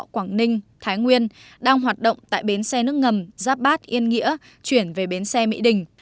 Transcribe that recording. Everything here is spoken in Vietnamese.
quảng ninh thái nguyên đang hoạt động tại bến xe nước ngầm giáp bát yên nghĩa chuyển về bến xe mỹ đình